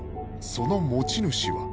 その持ち主は